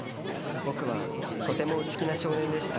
僕はとても内気な少年でした］